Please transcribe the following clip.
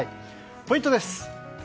ポイントです。